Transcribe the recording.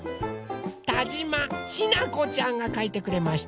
たじまひなこちゃんがかいてくれました。